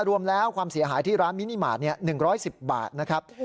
รวมแล้วความเสียหายที่ร้านมินิมาตร๑๑๐บาทนะครับ